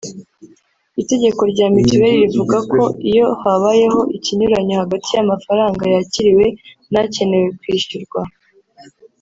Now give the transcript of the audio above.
Itegeko rya mituweli rivuga ko iyo habayeho ikinyuranyo hagati y’amafaranga yakiriwe n’akenewe kwishyurwa